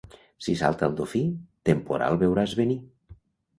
Si salta el dofí, temporal veuràs venir.